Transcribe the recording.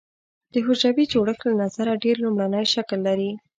د حجروي جوړښت له نظره ډېر لومړنی شکل لري.